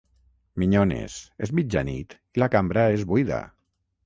Minyones, és mitjanit i la cambra és buida.